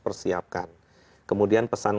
persiapkan kemudian pesan